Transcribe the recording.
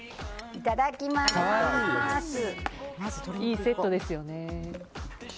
いいセットですよね。